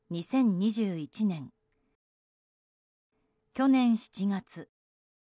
去年７月。